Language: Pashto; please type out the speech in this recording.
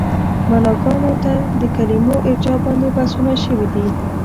معناګانو ته د کلمو ارجاع باندې بحثونه شوي دي.